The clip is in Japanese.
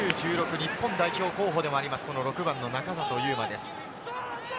日本代表候補でもあります、６番の仲里勇真です。